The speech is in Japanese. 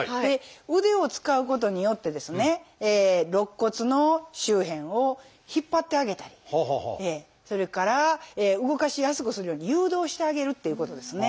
肋骨の周辺を引っ張ってあげたりそれから動かしやすくするように誘導してあげるっていうことですね。